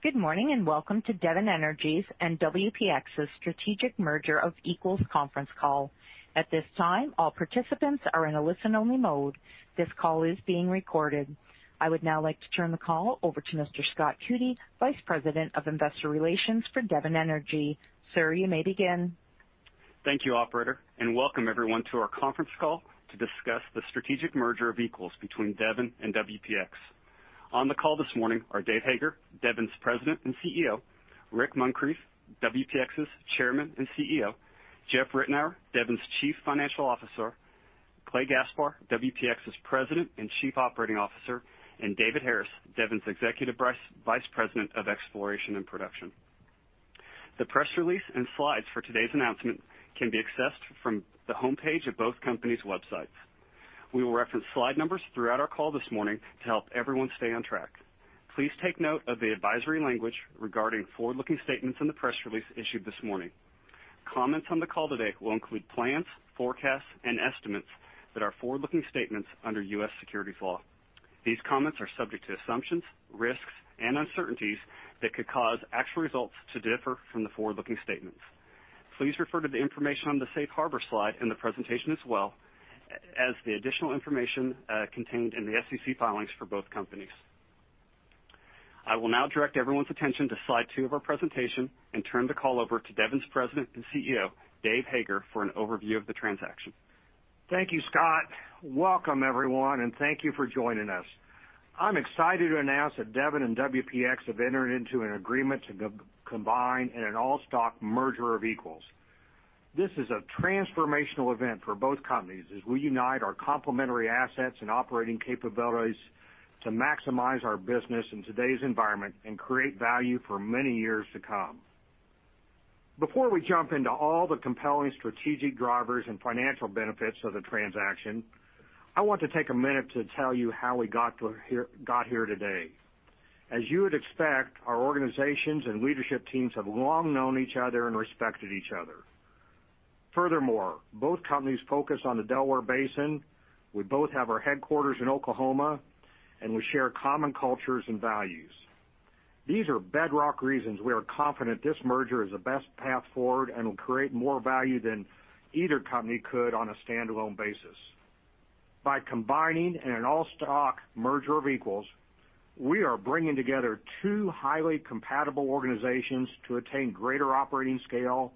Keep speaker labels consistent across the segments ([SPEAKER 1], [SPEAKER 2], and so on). [SPEAKER 1] Good morning, and welcome to Devon Energy's and WPX's strategic merger of equals conference call. At this time, all participants are in a listen-only mode. This call is being recorded. I would now like to turn the call over to Mr. Scott Coody, Vice President of Investor Relations for Devon Energy. Sir, you may begin.
[SPEAKER 2] Thank you, operator, and welcome everyone to our conference call to discuss the strategic merger of equals between Devon and WPX. On the call this morning are Dave Hager, Devon's President and CEO, Rick Muncrief, WPX's Chairman and CEO, Jeff Ritenour, Devon's Chief Financial Officer, Clay Gaspar, WPX's President and Chief Operating Officer, and David Harris, Devon's Executive Vice President of Exploration and Production. The press release and slides for today's announcement can be accessed from the homepage of both companies' websites. We will reference slide numbers throughout our call this morning to help everyone stay on track. Please take note of the advisory language regarding forward-looking statements in the press release issued this morning. Comments on the call today will include plans, forecasts, and estimates that are forward-looking statements under US securities law. These comments are subject to assumptions, risks, and uncertainties that could cause actual results to differ from the forward-looking statements. Please refer to the information on the safe harbor slide in the presentation as well as the additional information, contained in the SEC filings for both companies. I will now direct everyone's attention to slide two of our presentation and turn the call over to Devon's President and CEO, Dave Hager, for an overview of the transaction.
[SPEAKER 3] Thank you, Scott. Welcome, everyone, and thank you for joining us. I'm excited to announce that Devon and WPX have entered into an agreement to combine in an all-stock merger of equals. This is a transformational event for both companies as we unite our complementary assets and operating capabilities to maximize our business in today's environment and create value for many years to come. Before we jump into all the compelling strategic drivers and financial benefits of the transaction, I want to take a minute to tell you how we got here today. As you would expect, our organizations and leadership teams have long known each other and respected each other. Both companies focus on the Delaware Basin, we both have our headquarters in Oklahoma, and we share common cultures and values. These are bedrock reasons we are confident this merger is the best path forward and will create more value than either company could on a standalone basis. By combining in an all-stock merger of equals, we are bringing together two highly compatible organizations to attain greater operating scale,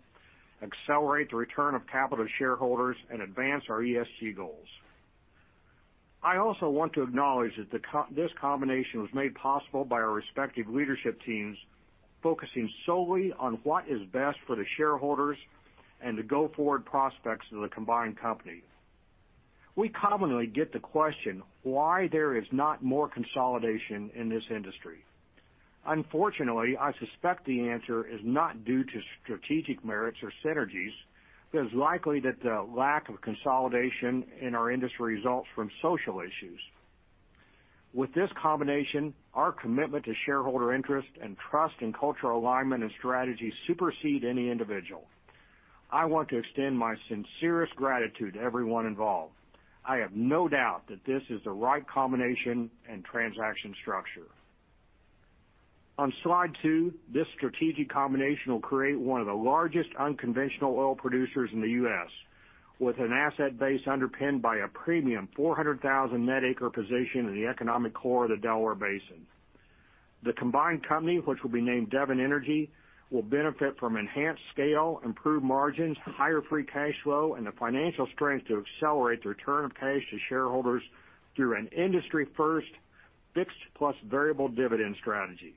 [SPEAKER 3] accelerate the return of capital to shareholders, and advance our ESG goals. I also want to acknowledge that this combination was made possible by our respective leadership teams focusing solely on what is best for the shareholders and the go-forward prospects of the combined company. We commonly get the question why there is not more consolidation in this industry. Unfortunately, I suspect the answer is not due to strategic merits or synergies, but it is likely that the lack of consolidation in our industry results from social issues. With this combination, our commitment to shareholder interest and trust and cultural alignment and strategy supersede any individual. I want to extend my sincerest gratitude to everyone involved. I have no doubt that this is the right combination and transaction structure. On slide two, this strategic combination will create one of the largest unconventional oil producers in the U.S., with an asset base underpinned by a premium 400,000 net acre position in the economic core of the Delaware Basin. The combined company, which will be named Devon Energy, will benefit from enhanced scale, improved margins, higher free cash flow, and the financial strength to accelerate the return of cash to shareholders through an industry-first fixed plus variable dividend strategy.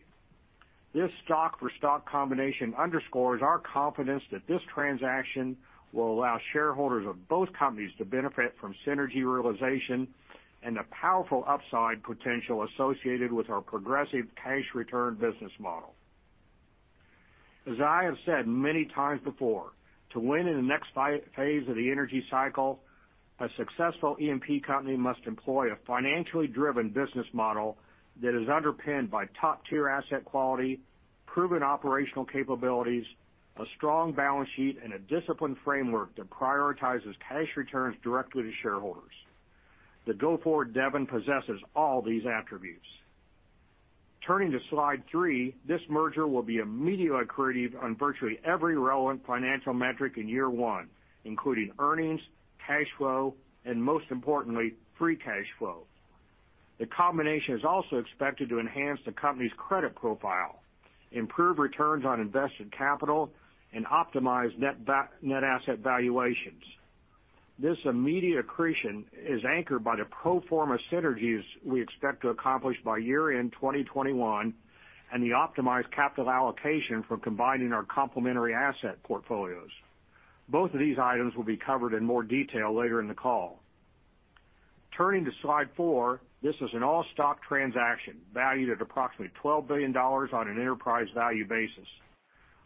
[SPEAKER 3] This stock-for-stock combination underscores our confidence that this transaction will allow shareholders of both companies to benefit from synergy realization and the powerful upside potential associated with our progressive cash return business model. As I have said many times before, to win in the next phase of the energy cycle, a successful E&P company must employ a financially driven business model that is underpinned by top-tier asset quality, proven operational capabilities, a strong balance sheet, and a disciplined framework that prioritizes cash returns directly to shareholders. The go-forward Devon possesses all these attributes. Turning to slide three, this merger will be immediately accretive on virtually every relevant financial metric in year one, including earnings, cash flow, and most importantly, free cash flow. The combination is also expected to enhance the company's credit profile, improve returns on invested capital, and optimize net asset valuations. This immediate accretion is anchored by the pro forma synergies we expect to accomplish by year-end 2021 and the optimized capital allocation from combining our complementary asset portfolios. Both of these items will be covered in more detail later in the call. Turning to slide four, this is an all-stock transaction valued at approximately $12 billion on an enterprise value basis.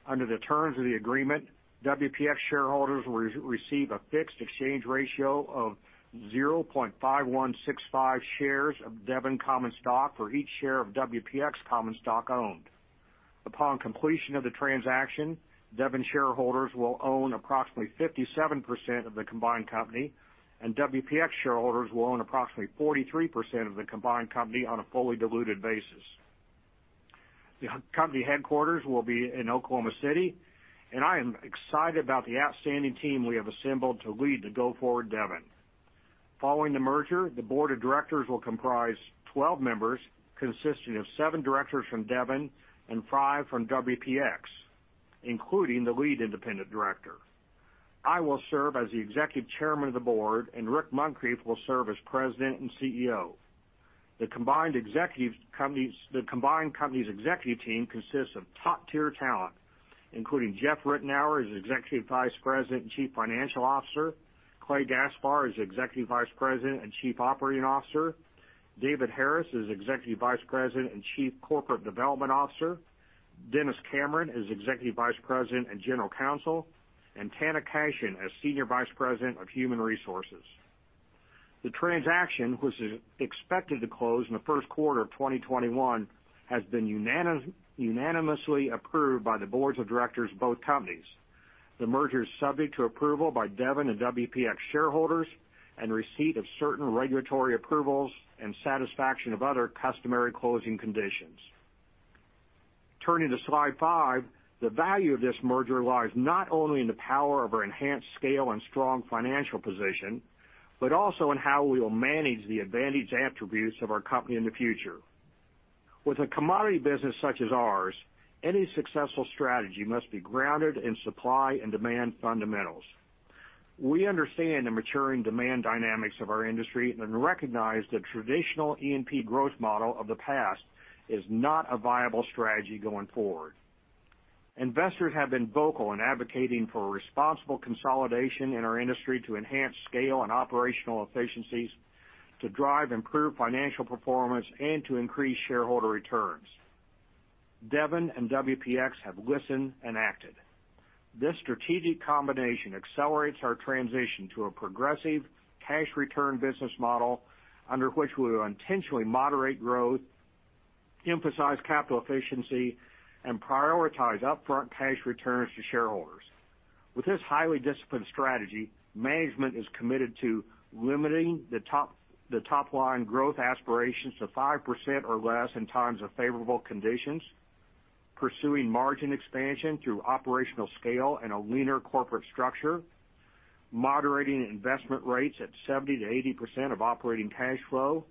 [SPEAKER 3] Under the terms of the agreement, WPX shareholders will receive a fixed exchange ratio of 0.5165 shares of Devon common stock for each share of WPX common stock owned. Upon completion of the transaction, Devon shareholders will own approximately 57% of the combined company, and WPX shareholders will own approximately 43% of the combined company on a fully diluted basis. The company headquarters will be in Oklahoma City, and I am excited about the outstanding team we have assembled to lead the go-forward Devon. Following the merger, the board of directors will comprise 12 members, consisting of seven directors from Devon and five from WPX, including the lead independent director. I will serve as the Executive Chairman of the board, and Rick Muncrief will serve as President and CEO. The combined company's executive team consists of top-tier talent, including Jeff Ritenour as Executive Vice President and Chief Financial Officer, Clay Gaspar as Executive Vice President and Chief Operating Officer, David Harris as Executive Vice President and Chief Corporate Development Officer, Dennis Cameron as Executive Vice President and General Counsel, and Tana Cashion as Senior Vice President of Human Resources. The transaction, which is expected to close in the first quarter of 2021, has been unanimously approved by the boards of directors of both companies. The merger is subject to approval by Devon and WPX shareholders and receipt of certain regulatory approvals and satisfaction of other customary closing conditions. Turning to slide five. The value of this merger lies not only in the power of our enhanced scale and strong financial position, but also in how we will manage the advantage attributes of our company in the future. With a commodity business such as ours, any successful strategy must be grounded in supply and demand fundamentals. We understand the maturing demand dynamics of our industry and recognize the traditional E&P growth model of the past is not a viable strategy going forward. Investors have been vocal in advocating for responsible consolidation in our industry to enhance scale and operational efficiencies, to drive improved financial performance, and to increase shareholder returns. Devon and WPX have listened and acted. This strategic combination accelerates our transition to a progressive cash return business model, under which we will intentionally moderate growth, emphasize capital efficiency, and prioritize upfront cash returns to shareholders. With this highly disciplined strategy, management is committed to limiting the top-line growth aspirations to 5% or less in times of favorable conditions, pursuing margin expansion through operational scale and a leaner corporate structure, moderating investment rates at 70%-80% of operating cash flow,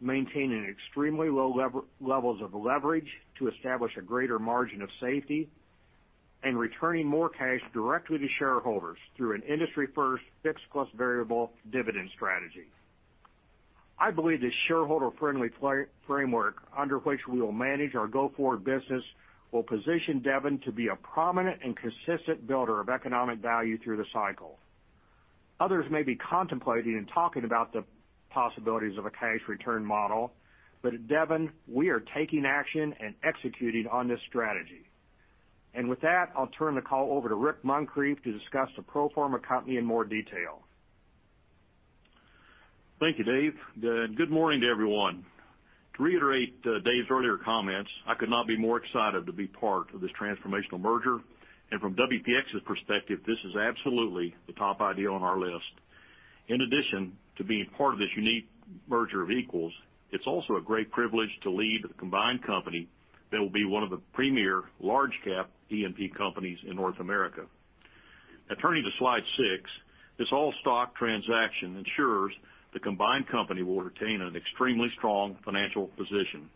[SPEAKER 3] maintaining extremely low levels of leverage to establish a greater margin of safety, and returning more cash directly to shareholders through an industry-first fixed plus variable dividend strategy. I believe this shareholder-friendly framework under which we will manage our go-forward business will position Devon to be a prominent and consistent builder of economic value through the cycle. Others may be contemplating and talking about the possibilities of a cash return model, but at Devon, we are taking action and executing on this strategy. With that, I'll turn the call over to Rick Muncrief to discuss the pro forma company in more detail.
[SPEAKER 4] Thank you, Dave. Good morning to everyone. To reiterate Dave's earlier comments, I could not be more excited to be part of this transformational merger, and from WPX's perspective, this is absolutely the top idea on our list. In addition to being part of this unique merger of equals, it's also a great privilege to lead the combined company that will be one of the premier large-cap E&P companies in North America. Now, turning to slide six. This all-stock transaction ensures the combined company will retain an extremely strong financial position.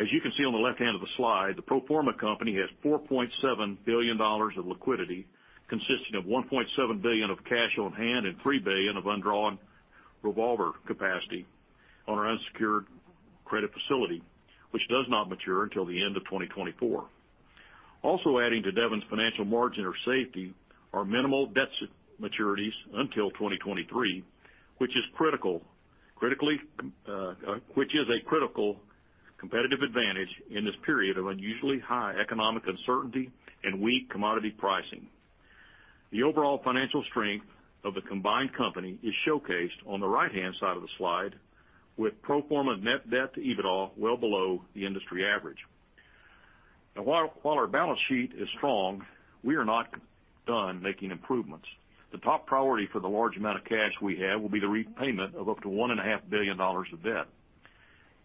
[SPEAKER 4] As you can see on the left-hand of the slide, the pro forma company has $4.7 billion of liquidity, consisting of $1.7 billion of cash on hand and $3 billion of undrawn revolver capacity on our unsecured credit facility, which does not mature until the end of 2024. Also adding to Devon's financial margin or safety are minimal debt maturities until 2023, which is a critical competitive advantage in this period of unusually high economic uncertainty and weak commodity pricing. The overall financial strength of the combined company is showcased on the right-hand side of the slide with pro forma net debt to EBITDA well below the industry average. Now while our balance sheet is strong, we are not done making improvements. The top priority for the large amount of cash we have will be the repayment of up to $1.5 billion of debt.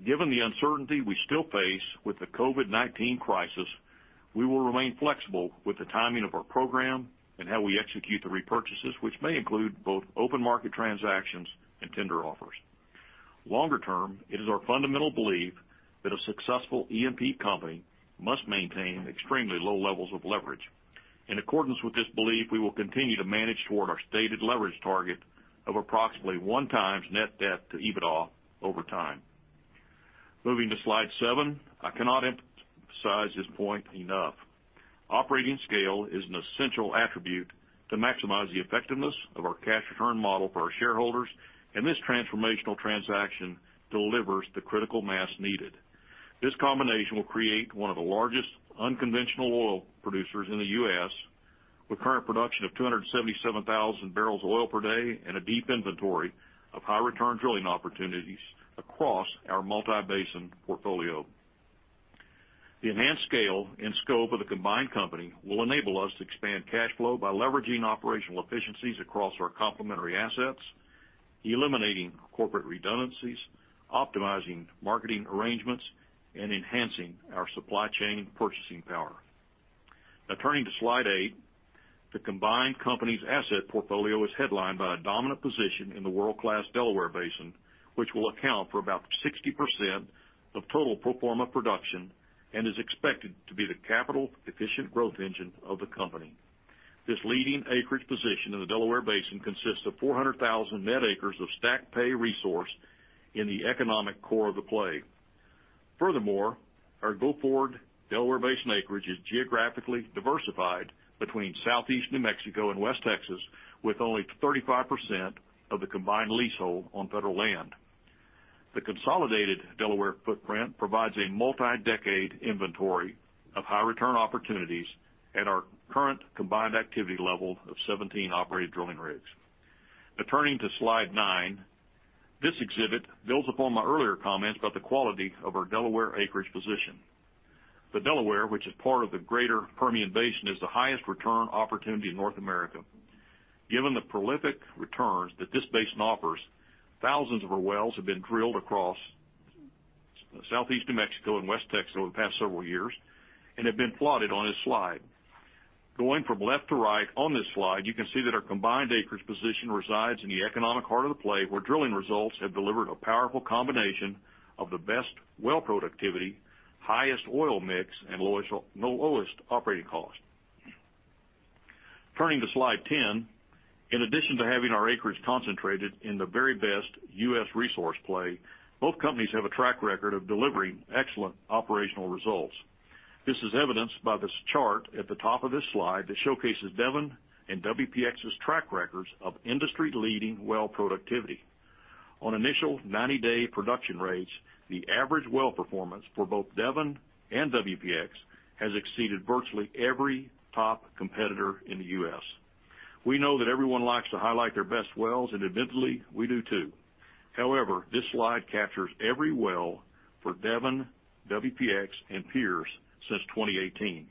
[SPEAKER 4] Given the uncertainty we still face with the COVID-19 crisis, we will remain flexible with the timing of our program and how we execute the repurchases, which may include both open market transactions and tender offers. Longer term, it is our fundamental belief that a successful E&P company must maintain extremely low levels of leverage. In accordance with this belief, we will continue to manage toward our stated leverage target of approximately 1x net debt to EBITDA over time. Moving to slide seven. I cannot emphasize this point enough. Operating scale is an essential attribute to maximize the effectiveness of our cash return model for our shareholders, and this transformational transaction delivers the critical mass needed. This combination will create one of the largest unconventional oil producers in the U.S. with current production of 277,000 barrels of oil per day and a deep inventory of high-return drilling opportunities across our multi-basin portfolio. The enhanced scale and scope of the combined company will enable us to expand cash flow by leveraging operational efficiencies across our complementary assets, eliminating corporate redundancies, optimizing marketing arrangements, and enhancing our supply chain purchasing power. Now turning to slide eight. The combined company's asset portfolio is headlined by a dominant position in the world-class Delaware Basin, which will account for about 60% of total pro forma production and is expected to be the capital-efficient growth engine of the company. This leading acreage position in the Delaware Basin consists of 400,000 net acres of stacked pay resource in the economic core of the play. Furthermore, our go-forward Delaware Basin acreage is geographically diversified between Southeast New Mexico and West Texas, with only 35% of the combined leasehold on federal land. The consolidated Delaware footprint provides a multi-decade inventory of high-return opportunities at our current combined activity level of 17 operated drilling rigs. Now turning to slide nine. This exhibit builds upon my earlier comments about the quality of our Delaware acreage position. The Delaware, which is part of the greater Permian Basin, is the highest return opportunity in North America. Given the prolific returns that this basin offers, thousands of our wells have been drilled across Southeast New Mexico and West Texas over the past several years and have been plotted on this slide. Going from left to right on this slide, you can see that our combined acreage position resides in the economic heart of the play, where drilling results have delivered a powerful combination of the best well productivity, highest oil mix, and lowest operating cost. Turning to slide 10. In addition to having our acreage concentrated in the very best U.S. resource play, both companies have a track record of delivering excellent operational results. This is evidenced by this chart at the top of this slide that showcases Devon and WPX's track records of industry-leading well productivity. On initial 90-day production rates, the average well performance for both Devon and WPX has exceeded virtually every top competitor in the U.S. We know that everyone likes to highlight their best wells, and admittedly, we do too. However, this slide captures every well for Devon, WPX and peers since 2018.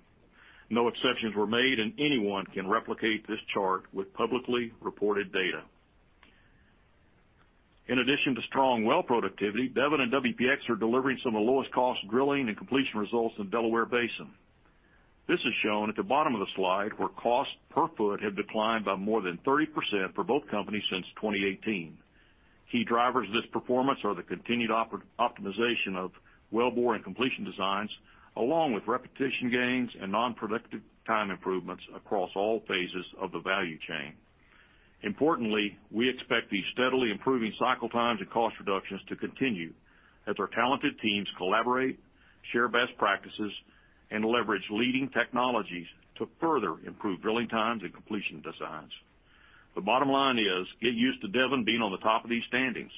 [SPEAKER 4] No exceptions were made, and anyone can replicate this chart with publicly reported data. In addition to strong well productivity, Devon and WPX are delivering some of the lowest-cost drilling and completion results in Delaware Basin. This is shown at the bottom of the slide, where costs per foot have declined by more than 30% for both companies since 2018. Key drivers of this performance are the continued optimization of wellbore and completion designs, along with repetition gains and non-productive time improvements across all phases of the value chain. Importantly, we expect these steadily improving cycle times and cost reductions to continue as our talented teams collaborate, share best practices, and leverage leading technologies to further improve drilling times and completion designs. The bottom line is get used to Devon being on the top of these standings.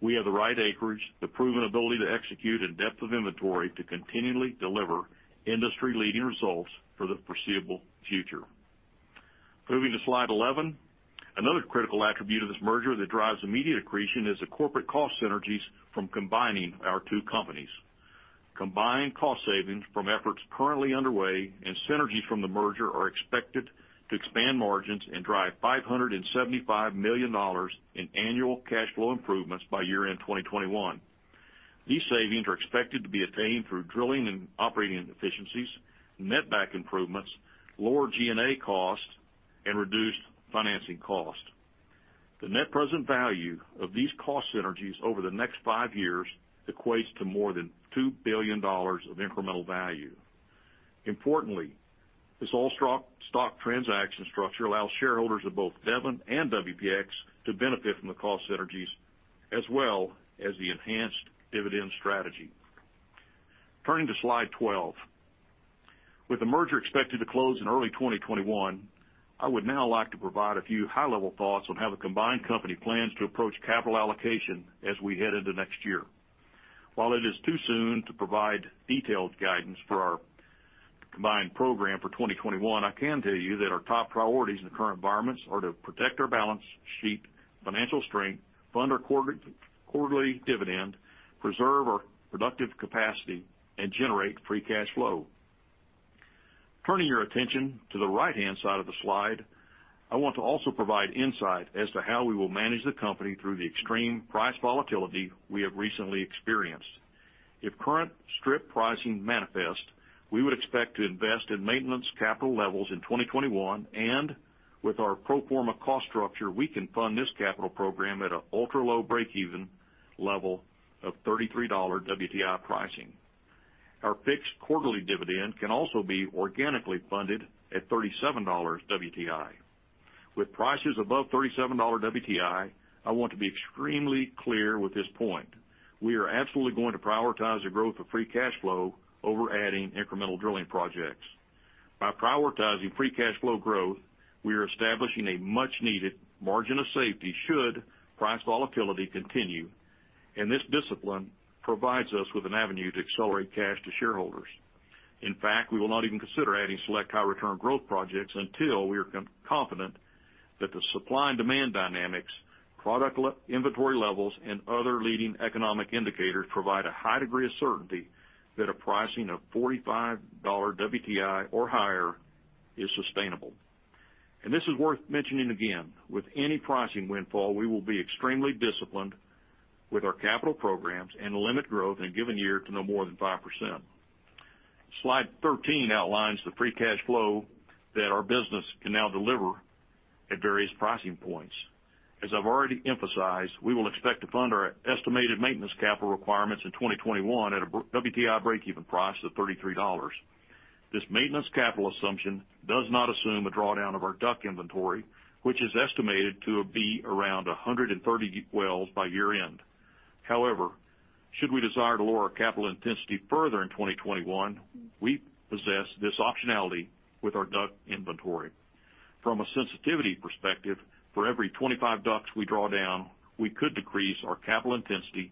[SPEAKER 4] We have the right acreage, the proven ability to execute and depth of inventory to continually deliver industry-leading results for the foreseeable future. Moving to slide eleven. Another critical attribute of this merger that drives immediate accretion is the corporate cost synergies from combining our two companies. Combined cost savings from efforts currently underway and synergies from the merger are expected to expand margins and drive $575 million in annual cash flow improvements by year-end 2021. These savings are expected to be attained through drilling and operating efficiencies, netback improvements, lower G&A costs, and reduced financing costs. The net present value of these cost synergies over the next five years equates to more than $2 billion of incremental value. Importantly, this all stock transaction structure allows shareholders of both Devon and WPX to benefit from the cost synergies as well as the enhanced dividend strategy. Turning to slide 12. With the merger expected to close in early 2021, I would now like to provide a few high-level thoughts on how the combined company plans to approach capital allocation as we head into next year. While it is too soon to provide detailed guidance for our combined program for 2021, I can tell you that our top priorities in the current environments are to protect our balance sheet, financial strength, fund our quarterly dividend, preserve our productive capacity, and generate free cash flow. Turning your attention to the right-hand side of the slide, I want to also provide insight as to how we will manage the company through the extreme price volatility we have recently experienced. If current strip pricing manifests, we would expect to invest in maintenance capital levels in 2021, and with our pro forma cost structure, we can fund this capital program at an ultra-low breakeven level of $33 WTI pricing. Our fixed quarterly dividend can also be organically funded at $37 WTI. With prices above $37 WTI, I want to be extremely clear with this point. We are absolutely going to prioritize the growth of free cash flow over adding incremental drilling projects. By prioritizing free cash flow growth, we are establishing a much-needed margin of safety should price volatility continue. This discipline provides us with an avenue to accelerate cash to shareholders. In fact, we will not even consider adding select high return growth projects until we are confident that the supply and demand dynamics, product inventory levels, and other leading economic indicators provide a high degree of certainty that a pricing of $45 WTI or higher is sustainable. This is worth mentioning again. With any pricing windfall, we will be extremely disciplined with our capital programs and limit growth in a given year to no more than 5%. Slide 13 outlines the free cash flow that our business can now deliver at various pricing points. As I've already emphasized, we will expect to fund our estimated maintenance capital requirements in 2021 at a WTI breakeven price of $33. This maintenance capital assumption does not assume a drawdown of our DUC inventory, which is estimated to be around 130 wells by year-end. However, should we desire to lower our capital intensity further in 2021, we possess this optionality with our DUC inventory. From a sensitivity perspective, for every 25 DUCs we draw down, we could decrease our capital intensity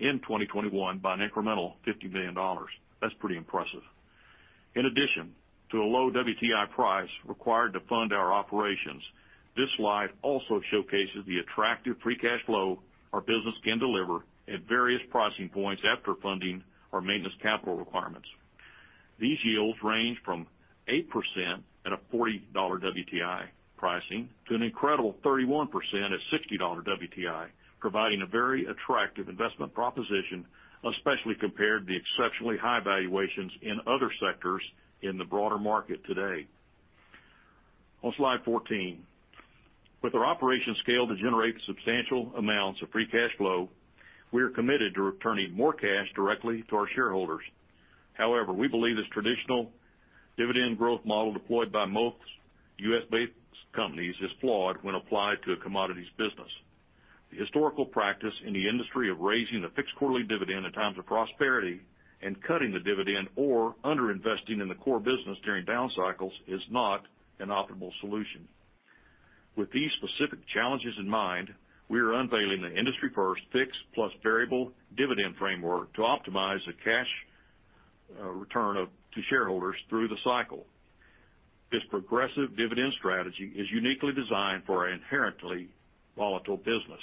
[SPEAKER 4] in 2021 by an incremental $50 million. That's pretty impressive. In addition to a low WTI price required to fund our operations, this slide also showcases the attractive free cash flow our business can deliver at various pricing points after funding our maintenance capital requirements. These yields range from 8% at a $40 WTI pricing to an incredible 31% at $60 WTI, providing a very attractive investment proposition, especially compared to the exceptionally high valuations in other sectors in the broader market today. On slide 14. With our operation scale to generate substantial amounts of free cash flow, we are committed to returning more cash directly to our shareholders. However, we believe this traditional dividend growth model deployed by most U.S.-based companies is flawed when applied to a commodities business. The historical practice in the industry of raising a fixed quarterly dividend in times of prosperity and cutting the dividend or under-investing in the core business during down cycles is not an optimal solution. With these specific challenges in mind, we are unveiling the industry-first fixed plus variable dividend framework to optimize the cash return to shareholders through the cycle. This progressive dividend strategy is uniquely designed for our inherently volatile business,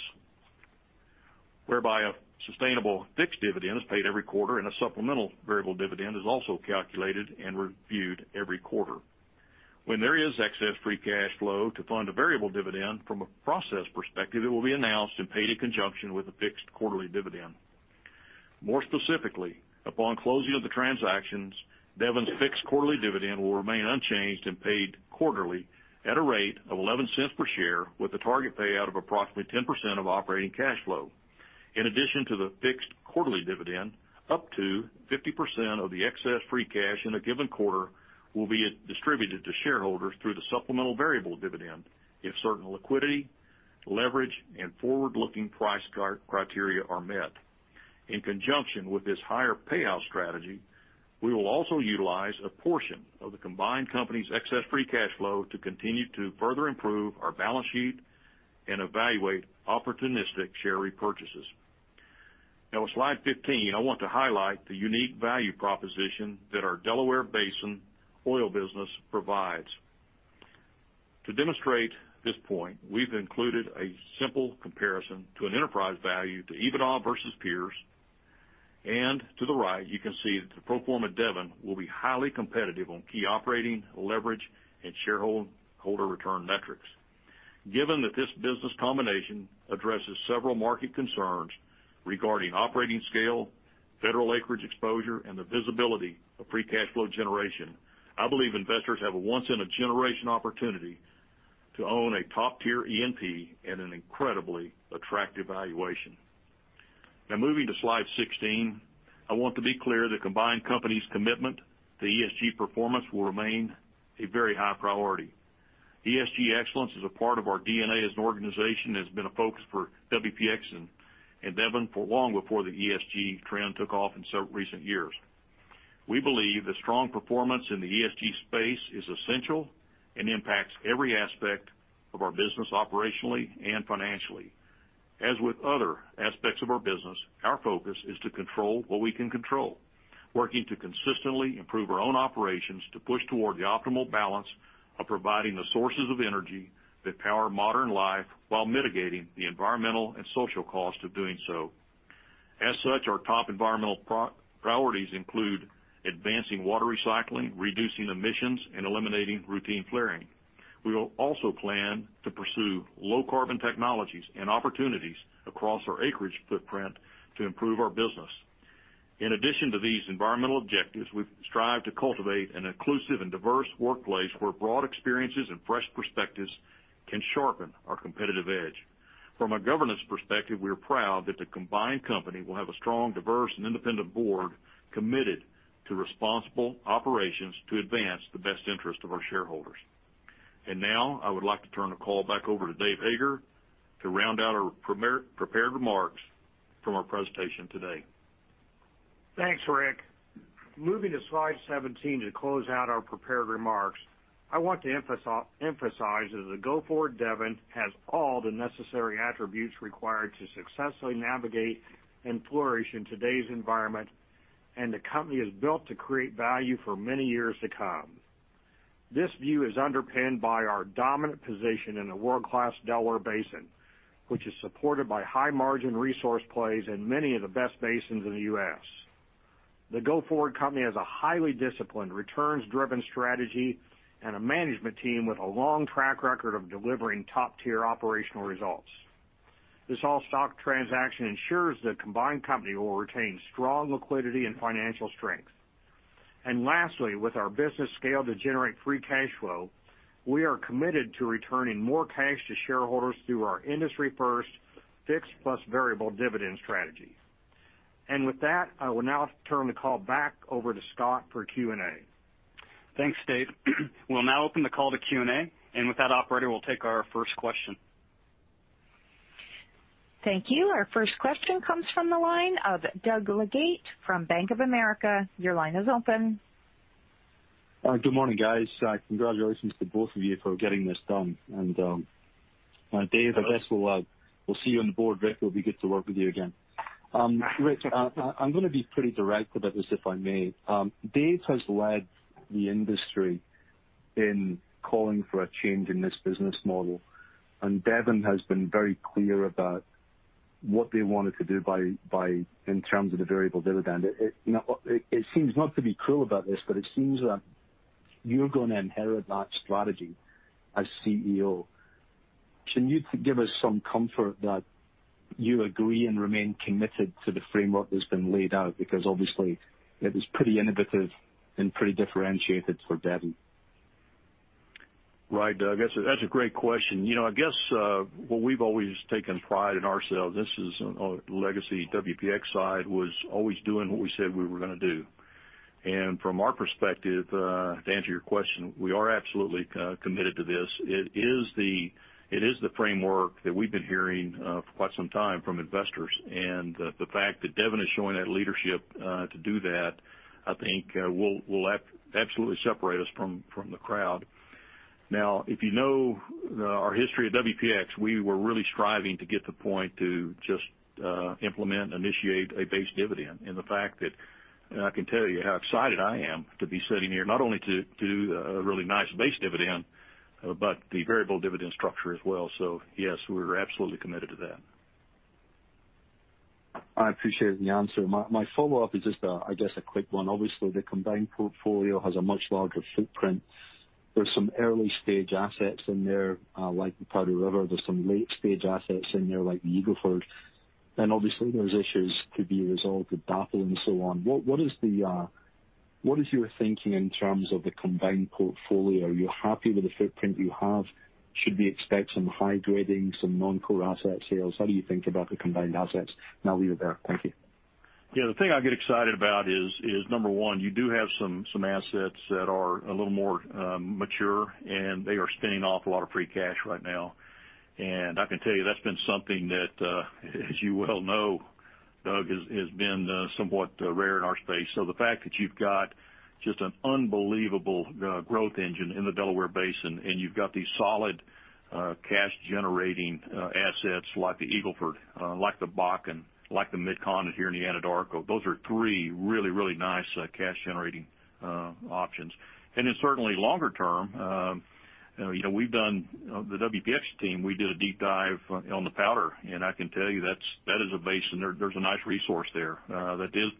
[SPEAKER 4] whereby a sustainable fixed dividend is paid every quarter and a supplemental variable dividend is also calculated and reviewed every quarter. When there is excess free cash flow to fund a variable dividend from a process perspective, it will be announced and paid in conjunction with a fixed quarterly dividend. More specifically, upon closing of the transactions, Devon's fixed quarterly dividend will remain unchanged and paid quarterly at a rate of $0.11 per share, with a target payout of approximately 10% of operating cash flow. In addition to the fixed quarterly dividend, up to 50% of the excess free cash in a given quarter will be distributed to shareholders through the supplemental variable dividend if certain liquidity, leverage, and forward-looking price criteria are met. In conjunction with this higher payout strategy, we will also utilize a portion of the combined company's excess free cash flow to continue to further improve our balance sheet and evaluate opportunistic share repurchases. Slide 15, I want to highlight the unique value proposition that our Delaware Basin oil business provides. To demonstrate this point, we've included a simple comparison to an enterprise value to EBITDA versus peers, and to the right, you can see that the pro forma Devon will be highly competitive on key operating leverage and shareholder return metrics. Given that this business combination addresses several market concerns regarding operating scale, federal acreage exposure, and the visibility of free cash flow generation, I believe investors have a once in a generation opportunity to own a top-tier E&P at an incredibly attractive valuation. Moving to slide 16, I want to be clear the combined company's commitment to ESG performance will remain a very high priority. ESG excellence is a part of our DNA as an organization that has been a focus for WPX and Devon for long before the ESG trend took off in recent years. We believe that strong performance in the ESG space is essential and impacts every aspect of our business operationally and financially. As with other aspects of our business, our focus is to control what we can control. Working to consistently improve our own operations to push toward the optimal balance of providing the sources of energy that power modern life while mitigating the environmental and social cost of doing so. As such, our top environmental priorities include advancing water recycling, reducing emissions, and eliminating routine flaring. We will also plan to pursue low carbon technologies and opportunities across our acreage footprint to improve our business. In addition to these environmental objectives, we strive to cultivate an inclusive and diverse workplace where broad experiences and fresh perspectives can sharpen our competitive edge. From a governance perspective, we are proud that the combined company will have a strong, diverse, and independent board committed to responsible operations to advance the best interest of our shareholders. Now I would like to turn the call back over to Dave Hager to round out our prepared remarks from our presentation today. Thanks, Rick. Moving to slide 17 to close out our prepared remarks, I want to emphasize that the go-forward Devon has all the necessary attributes required to successfully navigate and flourish in today's environment, and the company is built to create value for many years to come.
[SPEAKER 3] This view is underpinned by our dominant position in the world-class Delaware Basin, which is supported by high-margin resource plays in many of the best basins in the U.S. The go-forward company has a highly disciplined, returns-driven strategy and a management team with a long track record of delivering top-tier operational results. This all-stock transaction ensures the combined company will retain strong liquidity and financial strength. Lastly, with our business scale to generate free cash flow, we are committed to returning more cash to shareholders through our industry first fixed plus variable dividend strategy. With that, I will now turn the call back over to Scott for Q&A.
[SPEAKER 2] Thanks, Dave. We'll now open the call to Q&A. With that, operator, we'll take our first question.
[SPEAKER 1] Thank you. Our first question comes from the line of Doug Leggate from Bank of America.
[SPEAKER 5] Good morning, guys. Congratulations to both of you for getting this done. Dave, I guess we'll see you on the board. Rick, it'll be good to work with you again. Rick, I'm going to be pretty direct about this, if I may. Dave has led the industry in calling for a change in this business model, and Devon has been very clear about what they wanted to do in terms of the variable dividend. It seems, not to be cruel about this, but it seems that you're going to inherit that strategy as CEO. Can you give us some comfort that you agree and remain committed to the framework that's been laid out? Obviously it is pretty innovative and pretty differentiated for Devon.
[SPEAKER 4] Doug, that's a great question. I guess what we've always taken pride in ourselves, this is a legacy WPX side, was always doing what we said we were going to do. From our perspective, to answer your question, we are absolutely committed to this. It is the framework that we've been hearing for quite some time from investors, the fact that Devon Energy is showing that leadership to do that, I think will absolutely separate us from the crowd. If you know our history at WPX Energy, we were really striving to get to the point to just implement, initiate a base dividend. The fact that I can tell you how excited I am to be sitting here, not only to do a really nice base dividend, but the variable dividend structure as well. Yes, we're absolutely committed to that.
[SPEAKER 5] I appreciate the answer. My follow-up is just, I guess a quick one. Obviously, the combined portfolio has a much larger footprint. There's some early-stage assets in there, like the Powder River. There's some late-stage assets in there, like the Eagle Ford. Obviously there's issues to be resolved with DAPL and so on. What is your thinking in terms of the combined portfolio? Are you happy with the footprint you have? Should we expect some high grading, some non-core asset sales? How do you think about the combined assets? I'll leave it there. Thank you.
[SPEAKER 4] The thing I get excited about is, number one, you do have some assets that are a little more mature, and they are spinning off a lot of free cash right now. I can tell you that's been something that, as you well know, Doug, has been somewhat rare in our space. The fact that you've got just an unbelievable growth engine in the Delaware Basin, and you've got these solid cash-generating assets like the Eagle Ford, like the Bakken, like the MidCon here in the Anadarko, those are three really nice cash-generating options. Certainly longer term, the WPX team, we did a deep dive on the Powder, and I can tell you that is a basin. There's a nice resource there that is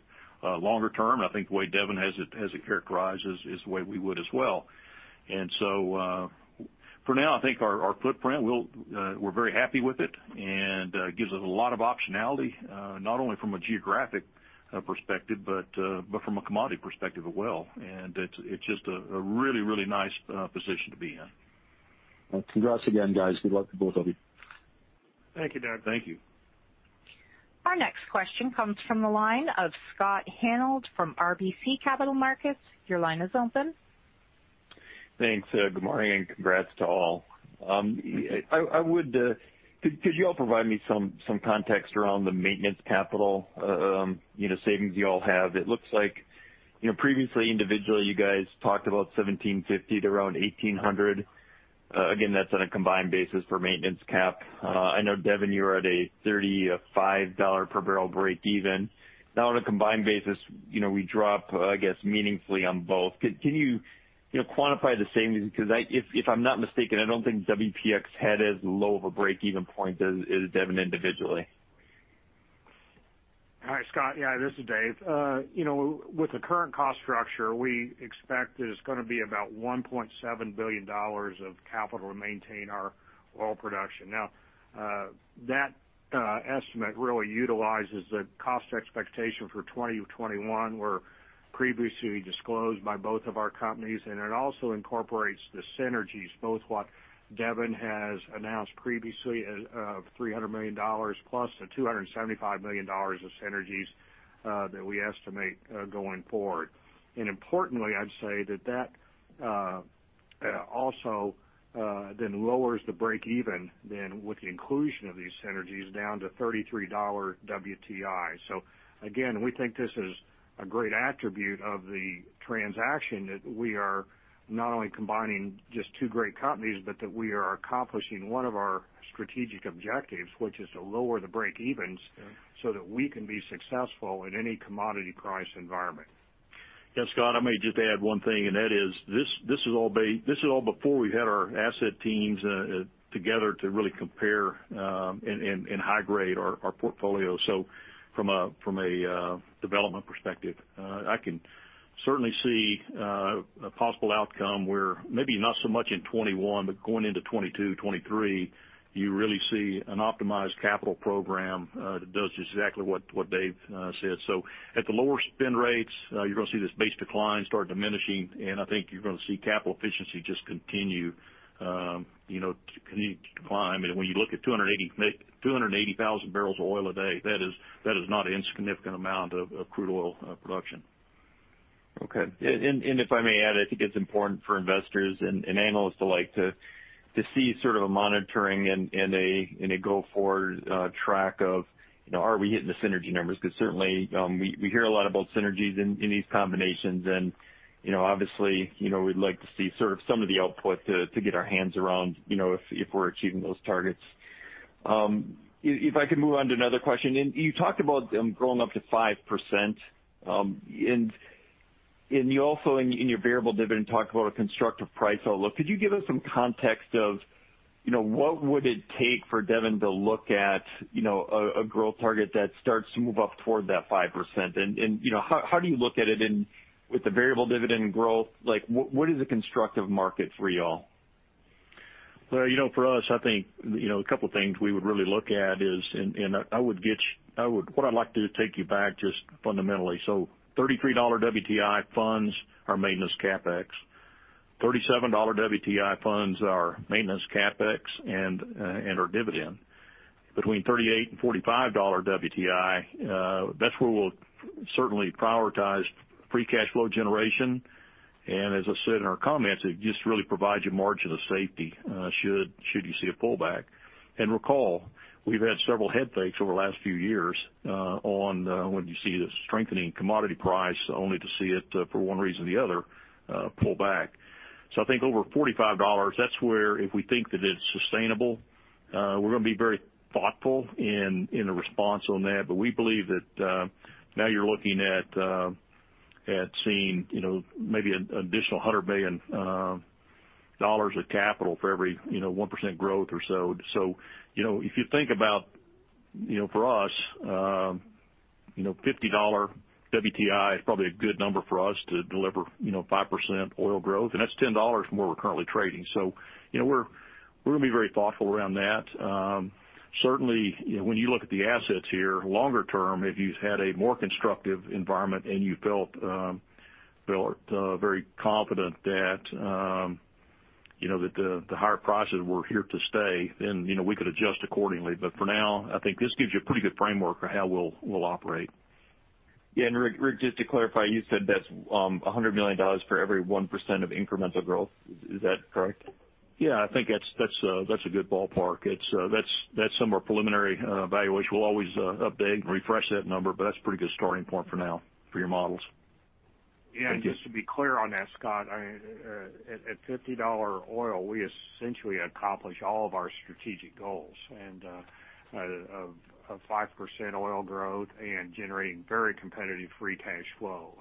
[SPEAKER 4] longer term, and I think the way Devon has it characterized is the way we would as well. For now, I think our footprint, we're very happy with it, and gives us a lot of optionality, not only from a geographic perspective, but from a commodity perspective as well, and it's just a really nice position to be in.
[SPEAKER 5] Congrats again, guys. Good luck to both of you.
[SPEAKER 3] Thank you, Doug.
[SPEAKER 4] Thank you.
[SPEAKER 1] Our next question comes from the line of Scott Hanold from RBC Capital Markets. Your line is open.
[SPEAKER 6] Thanks. Good morning, and congrats to all. Could you all provide me some context around the maintenance capital savings you all have? It looks like previously, individually, you guys talked about 1,750 to around 1,800. Again, that's on a combined basis for maintenance CapEx. I know, Devon, you are at a $35 per barrel breakeven. Now on a combined basis, we drop, I guess, meaningfully on both. Can you quantify the savings? If I'm not mistaken, I don't think WPX had as low of a breakeven point as Devon individually.
[SPEAKER 3] Hi, Scott. Yeah, this is Dave. With the current cost structure, we expect that it's going to be about $1.7 billion of capital to maintain our oil production. That estimate really utilizes the cost expectation for 2021 previously disclosed by both of our companies, and it also incorporates the synergies, both what Devon has announced previously of $300 million plus the $275 million of synergies that we estimate going forward. Importantly, I'd say that also lowers the breakeven with the inclusion of these synergies down to $33 WTI. Again, we think this is a great attribute of the transaction that we are not only combining just two great companies, but that we are accomplishing one of our strategic objectives, which is to lower the breakevens-
[SPEAKER 4] Yeah
[SPEAKER 3] That we can be successful in any commodity price environment.
[SPEAKER 4] Yeah, Scott, I may just add one thing, and that is this is all before we've had our asset teams together to really compare and high grade our portfolio. From a development perspective, I can certainly see a possible outcome where maybe not so much in 2021, but going into 2022, 2023, you really see an optimized capital program that does exactly what Dave said. At the lower spend rates, you're going to see this base decline start diminishing, and I think you're going to see capital efficiency just continue to decline. When you look at 280,000 barrels of oil a day, that is not an insignificant amount of crude oil production.
[SPEAKER 6] Okay. If I may add, I think it's important for investors and analysts alike to see sort of a monitoring and a go-forward track of are we hitting the synergy numbers? Certainly, we hear a lot about synergies in these combinations and obviously, we'd like to see sort of some of the output to get our hands around if we're achieving those targets. If I could move on to another question, you talked about growing up to 5%. You also in your variable dividend talked about a constructive price outlook. Could you give us some context of what would it take for Devon to look at a growth target that starts to move up toward that 5%? How do you look at it in with the variable dividend growth, like what is the constructive market for y'all?
[SPEAKER 4] Well, for us, I think, a couple things we would really look at is, and what I'd like to take you back just fundamentally. $33 WTI funds our maintenance CapEx, $37 WTI funds our maintenance CapEx and our dividend. Between $38 and $45 WTI, that's where we'll certainly prioritize free cash flow generation, and as I said in our comments, it just really provides you margin of safety, should you see a pullback. Recall, we've had several head fakes over the last few years on when you see the strengthening commodity price, only to see it for one reason or the other pullback. I think over $45, that's where, if we think that it's sustainable, we're going to be very thoughtful in the response on that. We believe that now you're looking at seeing maybe an additional $100 million of capital for every 1% growth or so. If you think about for us, $50 WTI is probably a good number for us to deliver 5% oil growth, and that's $10 from where we're currently trading. We're going to be very thoughtful around that. Certainly, when you look at the assets here longer term, if you've had a more constructive environment and you felt very confident that the higher prices were here to stay, then we could adjust accordingly. For now, I think this gives you a pretty good framework for how we'll operate.
[SPEAKER 6] Yeah. Rick, just to clarify, you said that's $100 million for every 1% of incremental growth. Is that correct?
[SPEAKER 4] I think that's a good ballpark. That's some of our preliminary evaluation. We'll always update and refresh that number, but that's a pretty good starting point for now for your models.
[SPEAKER 6] Thank you.
[SPEAKER 3] Yeah, just to be clear on that, Scott, at $50 oil, we essentially accomplish all of our strategic goals and of 5% oil growth and generating very competitive free cash flow.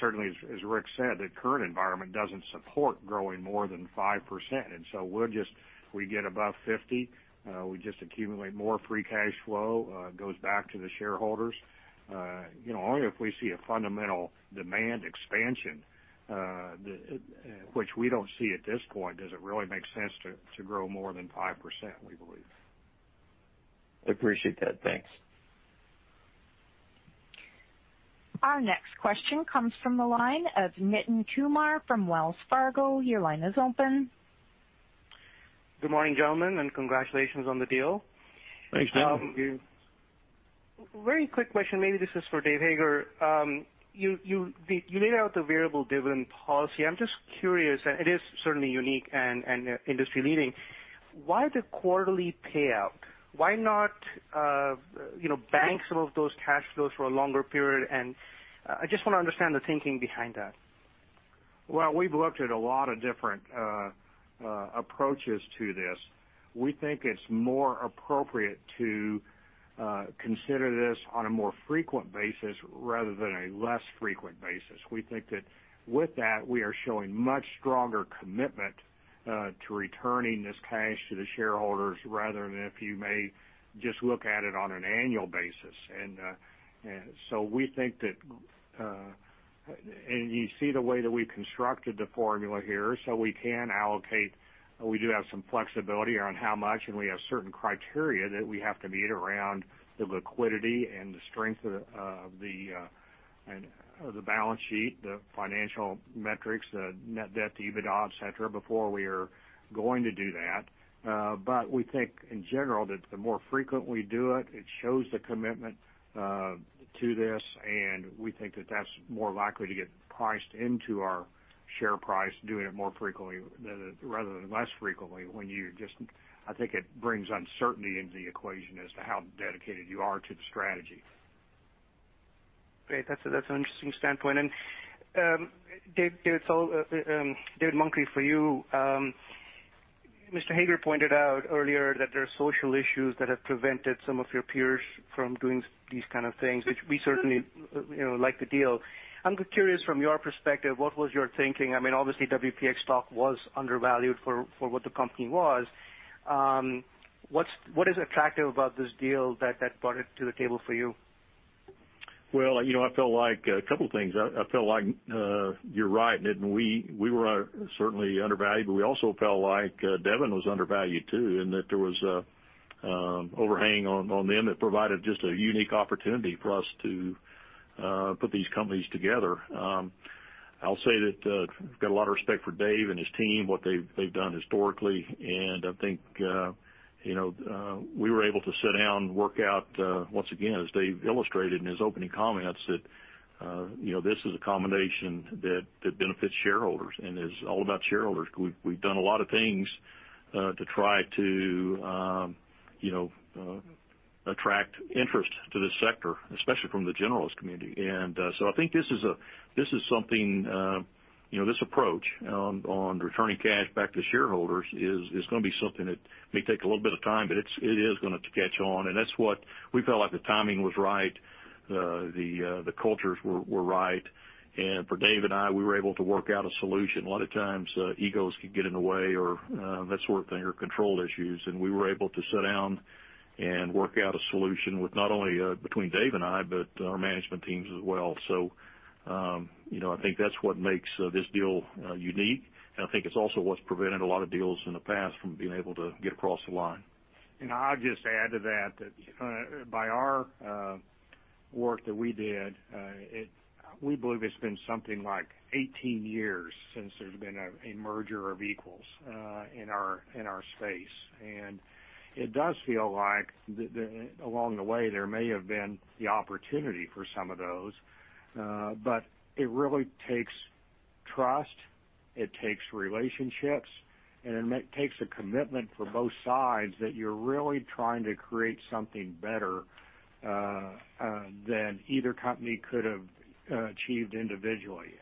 [SPEAKER 3] Certainly, as Rick said, the current environment doesn't support growing more than 5%. We'll just, we get above 50, we just accumulate more free cash flow, goes back to the shareholders. Only if we see a fundamental demand expansion, which we don't see at this point, does it really make sense to grow more than 5%, we believe.
[SPEAKER 6] Appreciate that. Thanks.
[SPEAKER 1] Our next question comes from the line of Nitin Kumar from Wells Fargo. Your line is open.
[SPEAKER 7] Good morning, gentlemen, and congratulations on the deal.
[SPEAKER 4] Thanks, Nitin.
[SPEAKER 3] Thank you.
[SPEAKER 7] Very quick question. Maybe this is for Dave Hager. You laid out the variable dividend policy. I'm just curious, it is certainly unique and industry leading. Why the quarterly payout? Why not bank some of those cash flows for a longer period? I just want to understand the thinking behind that.
[SPEAKER 3] Well, we've looked at a lot of different approaches to this. We think it's more appropriate to consider this on a more frequent basis rather than a less frequent basis. We think that with that, we are showing much stronger commitment to returning this cash to the shareholders rather than if you may just look at it on an annual basis. You see the way that we've constructed the formula here, so we can allocate. We do have some flexibility around how much, and we have certain criteria that we have to meet around the liquidity and the strength of the balance sheet, the financial metrics, the net debt to EBITDA, et cetera, before we are going to do that. We think in general that the more frequent we do it shows the commitment to this, and we think that that's more likely to get priced into our share price, doing it more frequently rather than less frequently. I think it brings uncertainty into the equation as to how dedicated you are to the strategy.
[SPEAKER 7] Great. That's an interesting standpoint. Rick Muncrief, for you, Mr. Hager pointed out earlier that there are social issues that have prevented some of your peers from doing these kind of things, which we certainly like the deal. I'm curious from your perspective, what was your thinking? Obviously, WPX stock was undervalued for what the company was. What is attractive about this deal that brought it to the table for you?
[SPEAKER 4] A couple things. I feel like you're right, and we were certainly undervalued, but we also felt like Devon was undervalued too, and that there was an overhang on them that provided just a unique opportunity for us to put these companies together. I'll say that I've got a lot of respect for Dave and his team, what they've done historically, and I think we were able to sit down and work out, once again, as Dave illustrated in his opening comments, that this is a combination that benefits shareholders and is all about shareholders. We've done a lot of things to try to attract interest to this sector, especially from the generalist community. I think this approach on returning cash back to shareholders is going to be something that may take a little bit of time, but it is going to catch on, and that's what we felt like the timing was right, the cultures were right. For Dave and I, we were able to work out a solution. A lot of times, egos could get in the way or that sort of thing, or control issues, and we were able to sit down and work out a solution with not only between Dave and I, but our management teams as well. I think that's what makes this deal unique, and I think it's also what's prevented a lot of deals in the past from being able to get across the line.
[SPEAKER 3] I'll just add to that by our work that we did, we believe it's been something like 18 years since there's been a merger of equals in our space. It does feel like along the way, there may have been the opportunity for some of those. It really takes trust, it takes relationships, and it takes a commitment from both sides that you're really trying to create something better than either company could have achieved individually.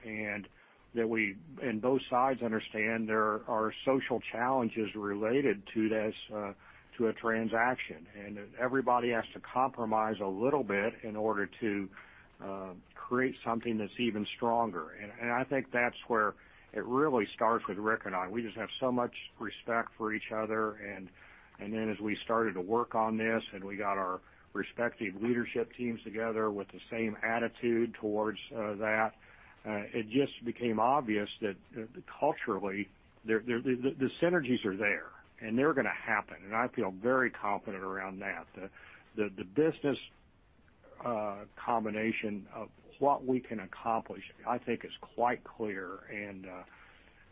[SPEAKER 3] Both sides understand there are social challenges related to a transaction, and everybody has to compromise a little bit in order to create something that's even stronger. I think that's where it really starts with Rick and I. We just have so much respect for each other. As we started to work on this, and we got our respective leadership teams together with the same attitude towards that, it just became obvious that culturally, the synergies are there, and they're going to happen. I feel very confident around that. The business combination of what we can accomplish, I think is quite clear,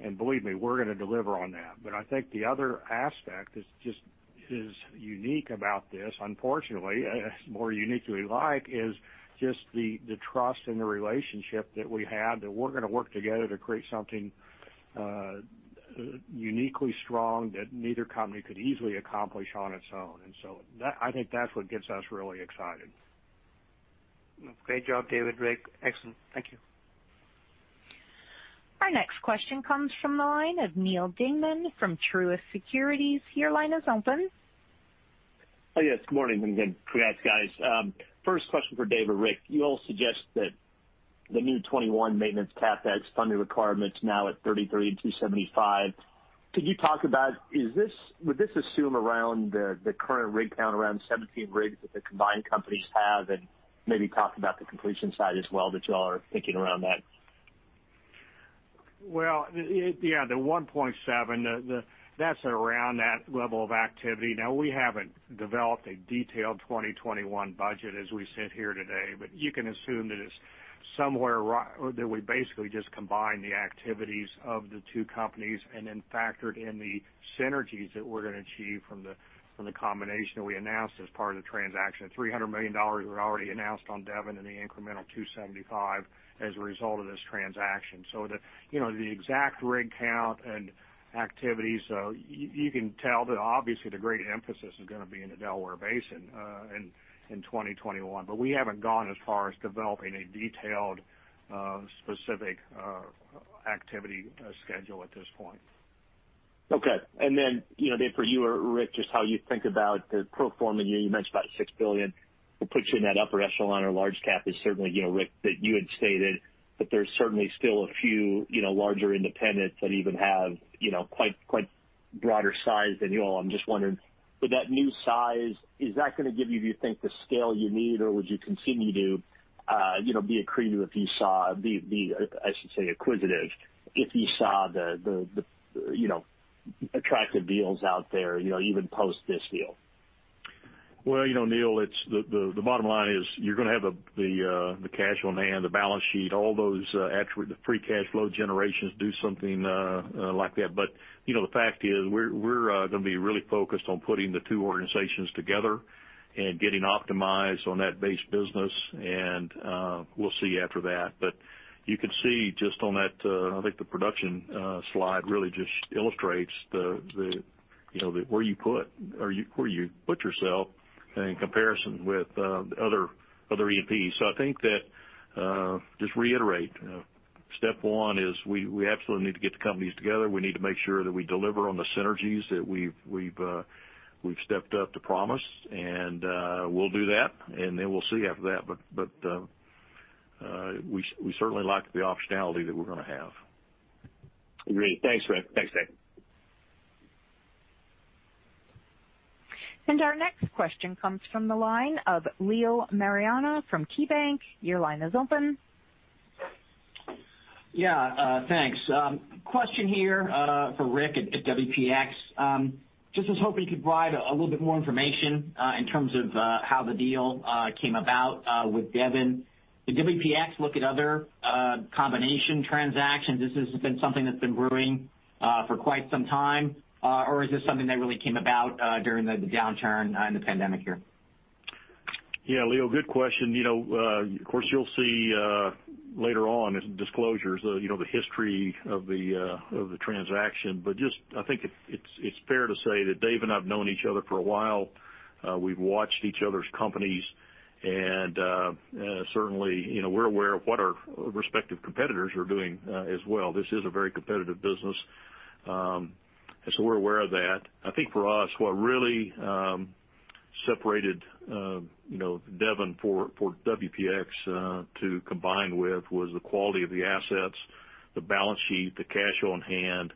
[SPEAKER 3] and believe me, we're going to deliver on that. I think the other aspect is just as unique about this, unfortunately, as more uniquely like, is just the trust and the relationship that we had, that we're going to work together to create something uniquely strong that neither company could easily accomplish on its own. I think that's what gets us really excited.
[SPEAKER 7] Great job, David, Rick. Excellent. Thank you.
[SPEAKER 1] Our next question comes from the line of Neal Dingmann from Truist Securities. Your line is open.
[SPEAKER 8] Yes, good morning. Congrats, guys. First question for Dave or Rick. You all suggest that the new 2021 maintenance CapEx funding requirement's now at $33-$275. Could you talk about, would this assume around the current rig count around 17 rigs that the combined companies have, and maybe talk about the completion side as well that you all are thinking around that?
[SPEAKER 3] Well, yeah, the 1.7, that's around that level of activity. You can assume that it's somewhere around, that we basically just combined the activities of the two companies and then factored in the synergies that we're going to achieve from the combination that we announced as part of the transaction. $300 million was already announced on Devon and the incremental $275 as a result of this transaction. The exact rig count and activities, you can tell that obviously the great emphasis is going to be in the Delaware Basin in 2021. We haven't gone as far as developing a detailed specific activity schedule at this point.
[SPEAKER 8] Okay. Then, Dave, for you or Rick, just how you think about the pro forma. You mentioned about $6 billion, will put you in that upper echelon or large cap is certainly, Rick, that you had stated that there's certainly still a few larger independents that even have quite broader size than you all. I'm just wondering, with that new size, is that going to give you, do you think, the scale you need, or would you continue to be acquisitive if you saw the attractive deals out there even post this deal?
[SPEAKER 4] Well, Neal, the bottom line is you're going to have the cash on hand, the balance sheet, all those free cash flow generations do something like that. The fact is we're going to be really focused on putting the two organizations together and getting optimized on that base business, and we'll see after that. You can see just on that, I think the production slide really just illustrates where you put yourself in comparison with the other E&Ps. I think that, just reiterate. Step one is we absolutely need to get the companies together. We need to make sure that we deliver on the synergies that we've stepped up to promise, and we'll do that, and then we'll see after that. We certainly like the optionality that we're going to have.
[SPEAKER 8] Agreed. Thanks, Rick. Thanks, Dave.
[SPEAKER 1] Our next question comes from the line of Leo Mariani from KeyBank.
[SPEAKER 9] Thanks. Question here for Rick at WPX. Just was hoping you could provide a little bit more information in terms of how the deal came about with Devon. Did WPX look at other combination transactions? This has been something that's been brewing for quite some time. Is this something that really came about during the downturn and the pandemic year?
[SPEAKER 4] Yeah, Leo, good question. Of course, you'll see later on in disclosures the history of the transaction. Just, I think it's fair to say that Dave and I have known each other for a while. We've watched each other's companies and certainly, we're aware of what our respective competitors are doing as well. This is a very competitive business. So we're aware of that. I think for us, what really separated Devon for WPX to combine with was the quality of the assets, the balance sheet, the cash on hand,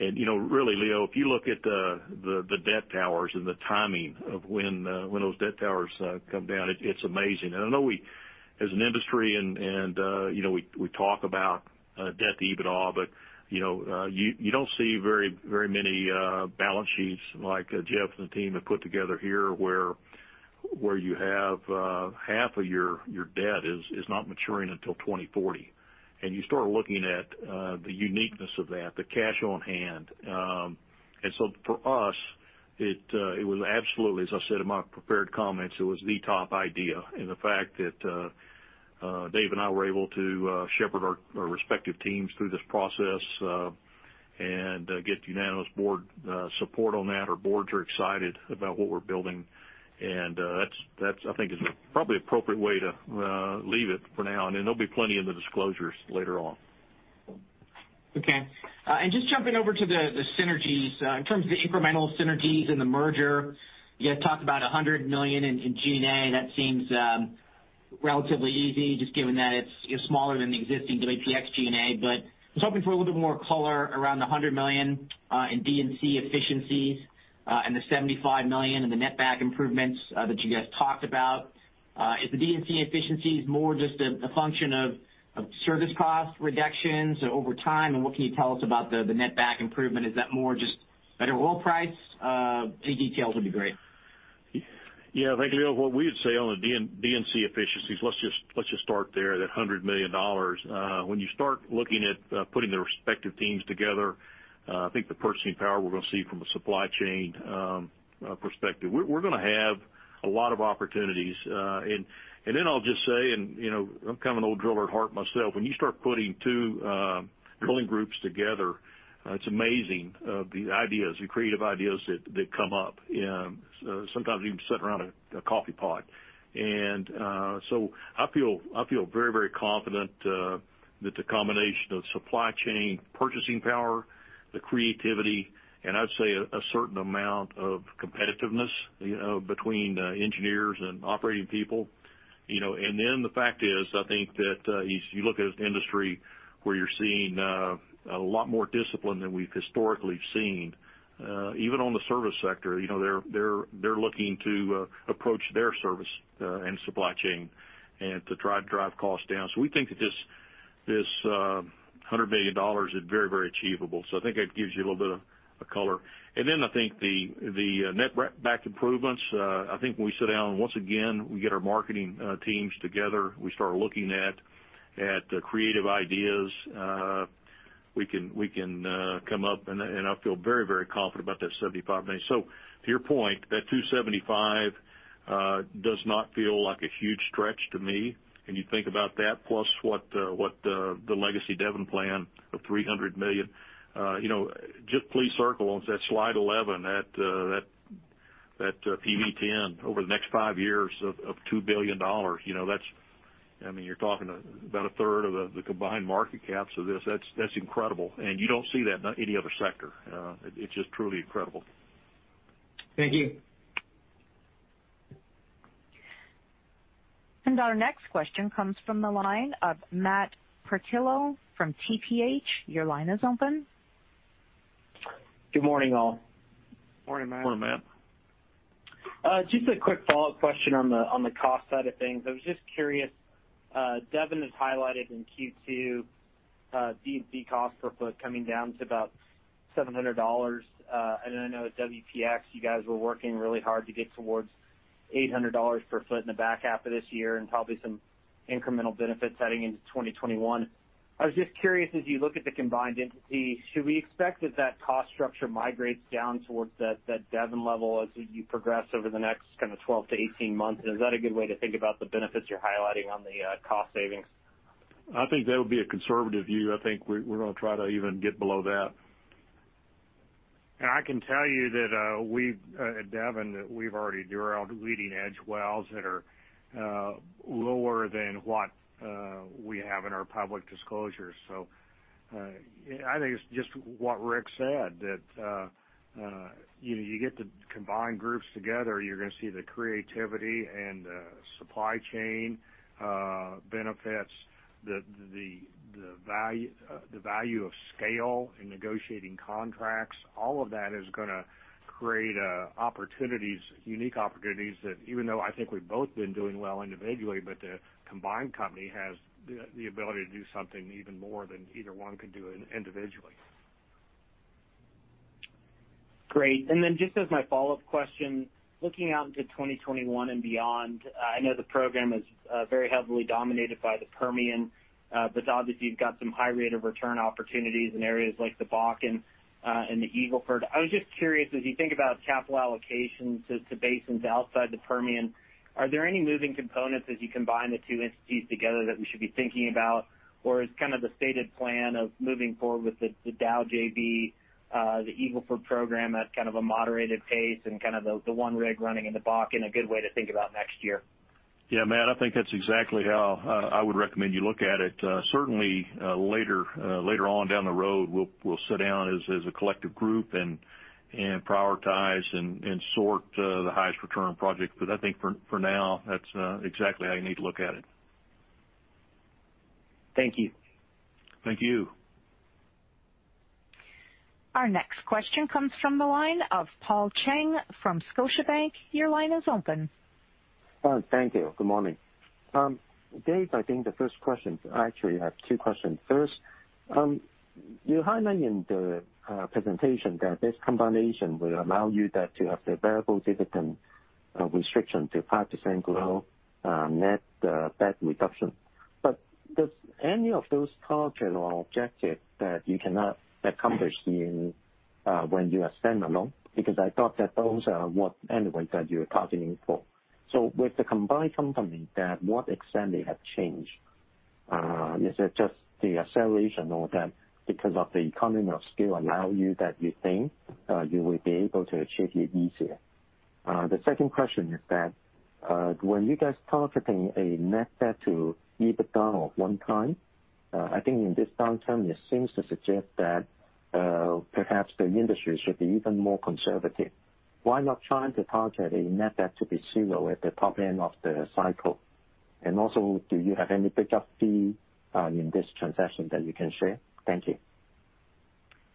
[SPEAKER 4] and really, Leo, if you look at the debt towers and the timing of when those debt towers come down, it's amazing. I know we, as an industry, and we talk about debt to EBITDA, but you don't see very many balance sheets like Jeff and the team have put together here where you have half of your debt is not maturing until 2040. You start looking at the uniqueness of that, the cash on hand. For us, it was absolutely, as I said in my prepared comments, it was the top idea. The fact that Dave and I were able to shepherd our respective teams through this process and get unanimous board support on that. Our boards are excited about what we're building, and that, I think, is probably appropriate way to leave it for now, and then there'll be plenty in the disclosures later on.
[SPEAKER 9] Okay. Just jumping over to the synergies. In terms of the incremental synergies in the merger, you had talked about $100 million in G&A, and that seems relatively easy just given that it's smaller than the existing WPX G&A, but I was hoping for a little bit more color around the $100 million in D&C efficiencies and the $75 million in the netback improvements that you guys talked about. Is the D&C efficiencies more just a function of service cost reductions over time? What can you tell us about the netback improvement? Is that more just better oil price? Any details would be great.
[SPEAKER 4] Thank you, Leo. What we would say on the D&C efficiencies, let's just start there, that $100 million. When you start looking at putting the respective teams together, I think the purchasing power we're going to see from a supply chain perspective. We're going to have a lot of opportunities. I'll just say, and I'm kind of an old driller at heart myself. When you start putting two drilling groups together, it's amazing the ideas, the creative ideas that come up, sometimes even sitting around a coffee pot. I feel very confident that the combination of supply chain purchasing power, the creativity, and I'd say a certain amount of competitiveness between engineers and operating people. The fact is, I think that you look at an industry where you're seeing a lot more discipline than we've historically seen. Even on the service sector, they're looking to approach their service and supply chain, and to try to drive costs down. We think that this $100 million is very achievable. I think that gives you a little bit of color. I think the netback improvements, I think when we sit down, and once again, we get our marketing teams together, we start looking at creative ideas we can come up, and I feel very confident about that $75 million. To your point, that $275 million does not feel like a huge stretch to me. You think about that plus what the legacy Devon plan of $300 million. Just please circle on that slide 11, that PV-10 over the next five years of $2 billion. You're talking about a third of the combined market caps of this. That's incredible. You don't see that in any other sector. It's just truly incredible.
[SPEAKER 9] Thank you.
[SPEAKER 1] Our next question comes from the line of Matt Portillo from TPH. Your line is open.
[SPEAKER 10] Good morning, all.
[SPEAKER 4] Morning, Matt. Morning, Matt.
[SPEAKER 10] Just a quick follow-up question on the cost side of things. I was just curious. Devon has highlighted in Q2 D&C cost per foot coming down to about $700. Then I know at WPX, you guys were working really hard to get towards $800 per foot in the back half of this year, and probably some incremental benefits heading into 2021. I was just curious, as you look at the combined entity, should we expect that cost structure migrates down towards that Devon level as you progress over the next kind of 12-18 months? Is that a good way to think about the benefits you're highlighting on the cost savings?
[SPEAKER 3] I think that would be a conservative view. I think we're going to try to even get below that. And I can tell you that at Devon, that we've already drilled leading edge wells that are lower than what we have in our public disclosure. I think it's just what Rick said, that you get the combined groups together, you're going to see the creativity and the supply chain benefits, the value of scale in negotiating contracts. All of that is going to create unique opportunities that even though I think we've both been doing well individually, but the combined company has the ability to do something even more than either one could do individually.
[SPEAKER 10] Great. Then just as my follow-up question, looking out into 2021 and beyond, I know the program is very heavily dominated by the Permian, but obviously you've got some high rate of return opportunities in areas like the Bakken, and the Eagle Ford. I was just curious, as you think about capital allocation to basins outside the Permian, are there any moving components as you combine the two entities together that we should be thinking about? Or is kind of the stated plan of moving forward with the Dow JV, the Eagle Ford program at kind of a moderated pace and kind of the one rig running in the Bakken a good way to think about next year?
[SPEAKER 4] Yeah, Matt, I think that's exactly how I would recommend you look at it. Certainly, later on down the road, we'll sit down as a collective group and prioritize and sort the highest return projects. I think for now, that's exactly how you need to look at it.
[SPEAKER 10] Thank you.
[SPEAKER 4] Thank you.
[SPEAKER 1] Our next question comes from the line of Paul Cheng from Scotiabank. Your line is open.
[SPEAKER 11] Oh, thank you. Good morning. Dave, I think the first question. I actually have two questions. First, you highlighted in the presentation that this combination will allow you that to have the variable dividend restriction to 5% grow, net debt reduction. Does any of those target or objective that you cannot accomplish when you are standalone? Because I thought that those are what anyway that you're targeting for. With the combined company then, what extent they have changed? Is it just the acceleration or that because of the economy of scale allow you that you think you will be able to achieve it easier? The second question is that, when you guys targeting a net debt to EBITDA of one time, I think in this downturn, it seems to suggest that perhaps the industry should be even more conservative. Why not try to target a net debt to be zero at the top end of the cycle? Also, do you have any breakup fee in this transaction that you can share? Thank you.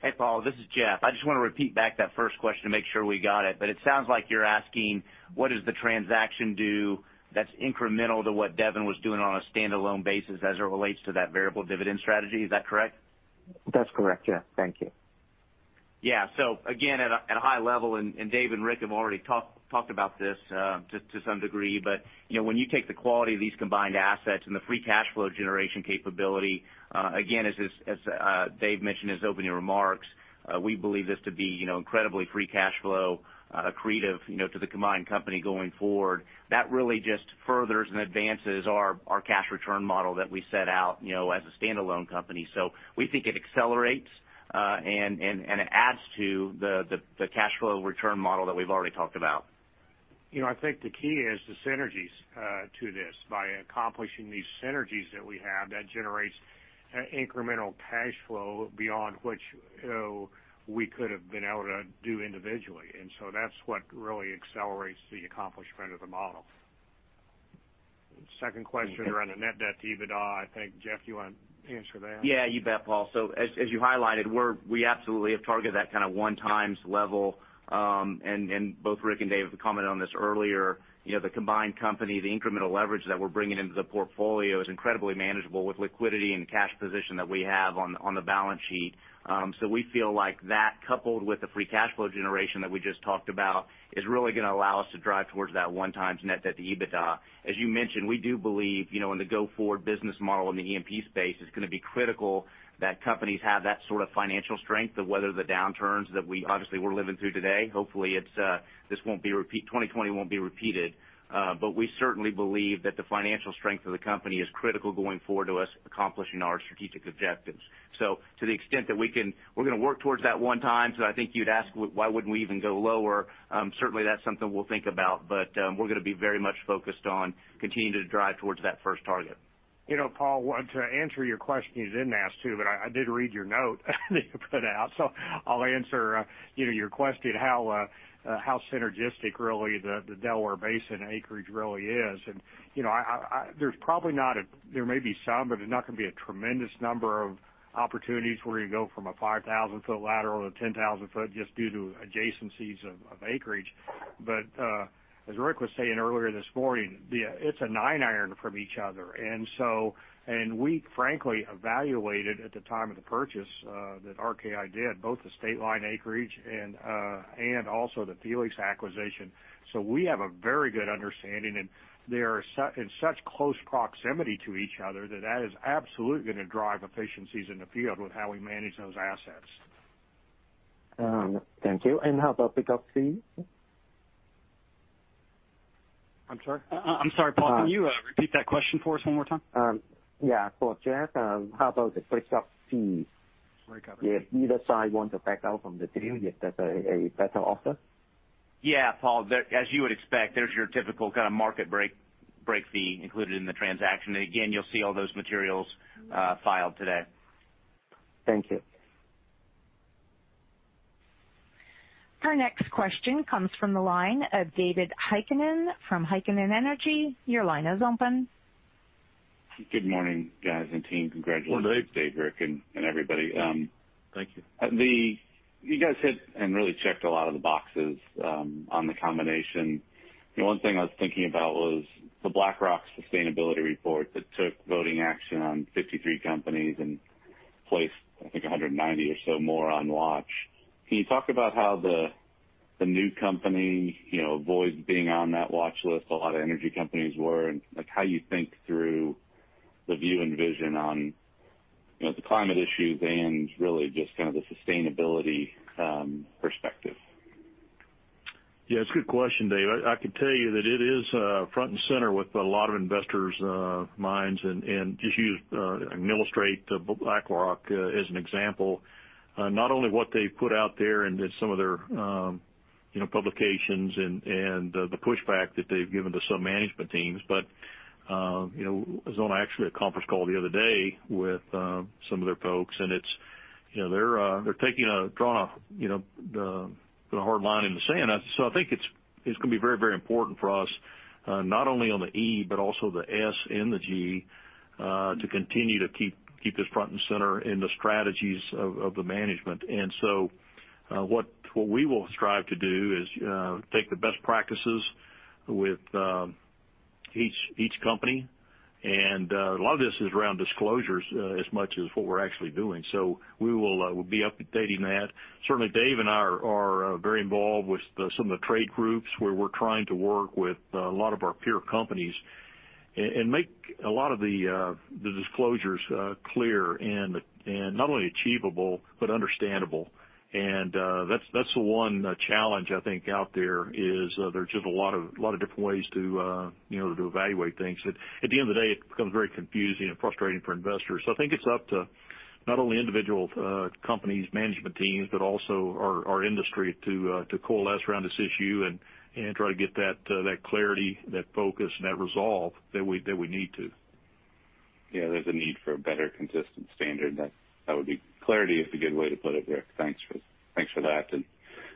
[SPEAKER 12] Hey, Paul. This is Jeff. I just want to repeat back that first question to make sure we got it. It sounds like you're asking what does the transaction do that's incremental to what Devon was doing on a standalone basis as it relates to that variable dividend strategy. Is that correct?
[SPEAKER 11] That's correct. Yeah. Thank you.
[SPEAKER 12] Yeah. Again, at a high level, and Dave and Rick have already talked about this to some degree, but when you take the quality of these combined assets and the free cash flow generation capability, again, as Dave mentioned his opening remarks, we believe this to be incredibly free cash flow accretive to the combined company going forward. That really just furthers and advances our cash return model that we set out as a standalone company. We think it accelerates, and it adds to the cash flow return model that we've already talked about.
[SPEAKER 4] I think the key is the synergies to this. By accomplishing these synergies that we have, that generates incremental cash flow beyond which we could have been able to do individually. That's what really accelerates the accomplishment of the model. Second question around the net debt to EBITDA, I think, Jeff, you want to answer that?
[SPEAKER 12] Yeah, you bet, Paul. As you highlighted, we absolutely have targeted that kind of 1x level. Both Rick and Dave have commented on this earlier. The combined company, the incremental leverage that we're bringing into the portfolio is incredibly manageable with liquidity and cash position that we have on the balance sheet. We feel like that coupled with the free cash flow generation that we just talked about is really going to allow us to drive towards that 1x net debt to EBITDA. As you mentioned, we do believe, in the go-forward business model in the E&P space, it's going to be critical that companies have that sort of financial strength to weather the downturns that we obviously we're living through today. Hopefully, 2020 won't be repeated. We certainly believe that the financial strength of the company is critical going forward to us accomplishing our strategic objectives. To the extent that we can, we're going to work towards that one time. I think you'd ask why wouldn't we even go lower? Certainly, that's something we'll think about, but we're going to be very much focused on continuing to drive towards that first target.
[SPEAKER 3] Paul, to answer your question you didn't ask too, but I did read your note that you put out. I'll answer your question how synergistic really the Delaware Basin acreage really is. There may be some, but there's not going to be a tremendous number of opportunities where you go from a 5,000-foot lateral to 10,000-foot just due to adjacencies of acreage. As Rick was saying earlier this morning, it's a nine iron from each other. We frankly evaluated at the time of the purchase, that RKI did, both the state line acreage and also the Felix acquisition. We have a very good understanding, and they are in such close proximity to each other that that is absolutely going to drive efficiencies in the field with how we manage those assets.
[SPEAKER 11] Thank you. How about breakup fee? I'm sorry?
[SPEAKER 4] I'm sorry, Paul. Can you repeat that question for us one more time?
[SPEAKER 11] Yeah. Jeff, how about the breakup fees?
[SPEAKER 4] Breakup fees.
[SPEAKER 11] If either side wants to back out from the deal, if there's a better offer.
[SPEAKER 12] Yeah, Paul, as you would expect, there's your typical kind of market break fee included in the transaction. Again, you'll see all those materials filed today.
[SPEAKER 11] Thank you.
[SPEAKER 1] Our next question comes from the line of David Heikkinen from WhiteHawk Energy. Your line is open.
[SPEAKER 13] Good morning, guys, and team. Congratulations.
[SPEAKER 4] Morning, Dave.
[SPEAKER 13] Dave, Rick, and everybody.
[SPEAKER 4] Thank you.
[SPEAKER 13] You guys hit and really checked a lot of the boxes on the combination. The one thing I was thinking about was the BlackRock sustainability report that took voting action on 53 companies and placed, I think, 190 or so more on watch. Can you talk about how the new company avoids being on that watch list? A lot of energy companies were, and how you think through the view and vision on the climate issues and really just kind of the sustainability perspective.
[SPEAKER 4] Yeah. It's a good question, Dave. I can tell you that it is front and center with a lot of investors' minds. Just use and illustrate BlackRock as an example. Not only what they've put out there and some of their publications and the pushback that they've given to some management teams. I was on actually a conference call the other day with some of their folks. They're drawing the hard line in the sand. I think it's going to be very important for us, not only on the E, but also the S and the G, to continue to keep this front and center in the strategies of the management. What we will strive to do is take the best practices with each company. A lot of this is around disclosures as much as what we're actually doing. We'll be updating that. Certainly, Dave and I are very involved with some of the trade groups, where we're trying to work with a lot of our peer companies and make a lot of the disclosures clear, and not only achievable, but understandable. That's the one challenge, I think, out there is there are just a lot of different ways to evaluate things. At the end of the day, it becomes very confusing and frustrating for investors. I think it's up to not only individual companies' management teams, but also our industry to coalesce around this issue and try to get that clarity, that focus, and that resolve that we need to.
[SPEAKER 13] There's a need for a better consistent standard. Clarity is a good way to put it, Rick. Thanks for that, and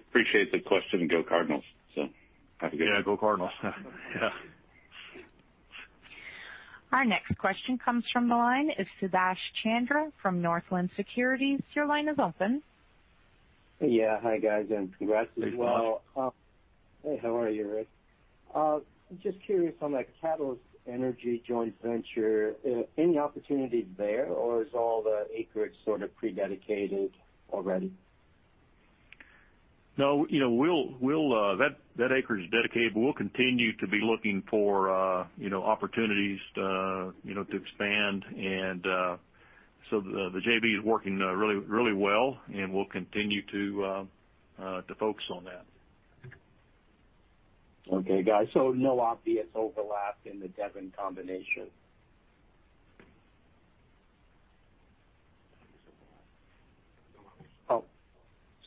[SPEAKER 13] appreciate the question, and go Cardinals. Have a good day.
[SPEAKER 4] Yeah, go Cardinals. Yeah.
[SPEAKER 1] Our next question comes from the line of Subash Chandra from Northland Securities. Your line is open.
[SPEAKER 14] Yeah. Hi, guys, and congrats as well.
[SPEAKER 4] Hey, Subash.
[SPEAKER 14] Hey, how are you, Rick? Just curious on the Catalyst Energy joint venture. Any opportunities there, or is all the acreage sort of pre-dedicated already?
[SPEAKER 4] No. That acreage is dedicated, but we'll continue to be looking for opportunities to expand. The JV is working really well, and we'll continue to focus on that.
[SPEAKER 14] Okay, guys. No obvious overlap in the Devon combination?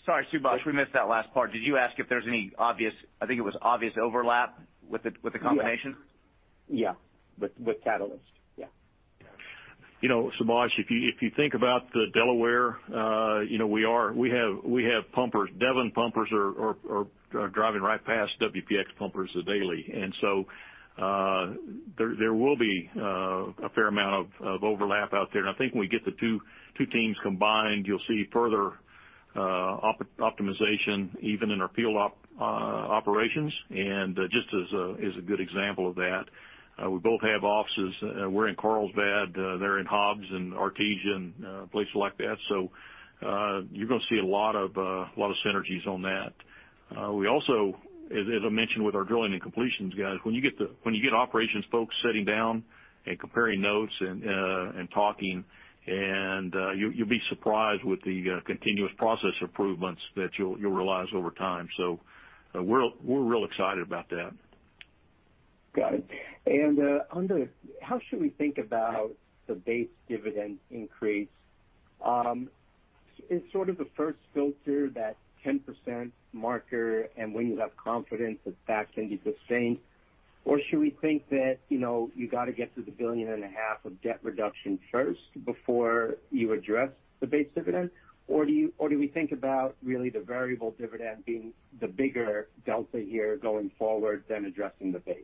[SPEAKER 4] Sorry, Subash, we missed that last part. Did you ask if there's any obvious, I think it was obvious overlap with the combination?
[SPEAKER 14] Yeah. With Catalyst. Yeah.
[SPEAKER 4] Subash, if you think about the Delaware, we have pumpers. Devon pumpers are driving right past WPX pumpers daily. There will be a fair amount of overlap out there, and I think when we get the two teams combined, you'll see further optimization even in our field operations. Just as a good example of that, we both have offices. We're in Carlsbad, they're in Hobbs and Artesia, and places like that. You're going to see a lot of synergies on that. We also, as I mentioned with our drilling and completions guys, when you get operations folks sitting down and comparing notes and talking, and you'll be surprised with the continuous process improvements that you'll realize over time. We're real excited about that.
[SPEAKER 14] Got it. How should we think about the base dividend increase? Is sort of the first filter that 10% marker, and when you have confidence that that can be sustained? Should we think that you've got to get to the billion and a half of debt reduction first before you address the base dividend? Do we think about really the variable dividend being the bigger delta here going forward than addressing the base?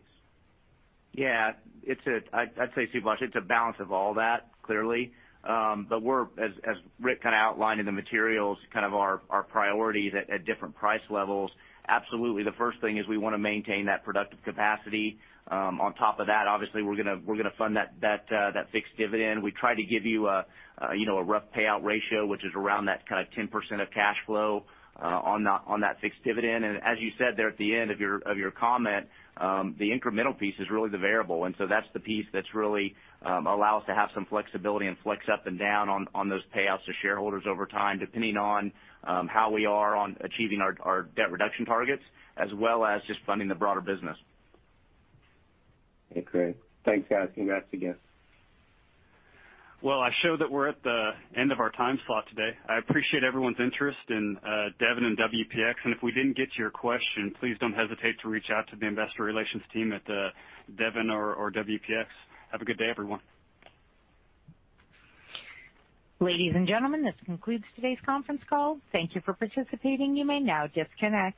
[SPEAKER 12] Yeah. I'd say, Subash, it's a balance of all that, clearly. As Rick kind of outlined in the materials, kind of our priorities at different price levels, absolutely the first thing is we want to maintain that productive capacity. On top of that, obviously, we're going to fund that fixed dividend. We try to give you a rough payout ratio, which is around that kind of 10% of cash flow on that fixed dividend. As you said there at the end of your comment, the incremental piece is really the variable. That's the piece that really allow us to have some flexibility and flex up and down on those payouts to shareholders over time, depending on how we are on achieving our debt reduction targets, as well as just funding the broader business.
[SPEAKER 14] Okay. Thanks, guys. Congrats again.
[SPEAKER 2] Well, I show that we're at the end of our time slot today. I appreciate everyone's interest in Devon and WPX, and if we didn't get to your question, please don't hesitate to reach out to the investor relations team at Devon or WPX. Have a good day, everyone.
[SPEAKER 1] Ladies and gentlemen, this concludes today's conference call. Thank you for participating. You may now disconnect.